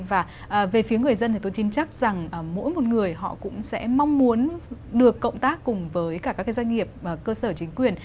và về phía người dân thì tôi tin chắc rằng mỗi một người họ cũng sẽ mong muốn được cộng tác cùng với cả các cái doanh nghiệp cơ sở chính quyền